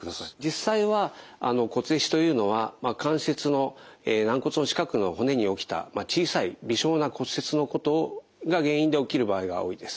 実際は骨壊死というのは関節の軟骨の近くの骨に起きた小さい微小な骨折のことが原因で起きる場合が多いです。